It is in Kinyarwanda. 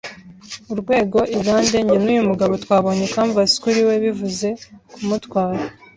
urwego Irlande - njye nuyu mugabo twabonye canvas kuri we, bivuze kumutwara